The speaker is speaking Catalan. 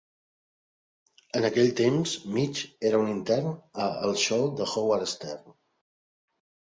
En aquell temps Mitch era un intern a "El Show de Howard Stern".